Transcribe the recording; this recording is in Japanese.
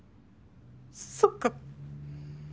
そっか。